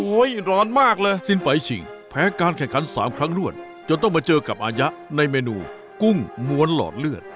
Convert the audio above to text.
ร้อนมากเลยสินไฟชิงแพ้การแข่งขัน๓ครั้งรวดจนต้องมาเจอกับอายะในเมนูกุ้งม้วนหลอดเลือด